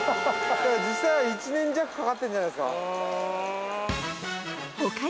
実際は１年弱かかってんじゃないですか。